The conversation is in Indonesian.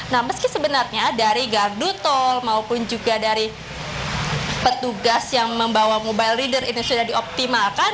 nah meski sebenarnya dari gardu tol maupun juga dari petugas yang membawa mobile leader ini sudah dioptimalkan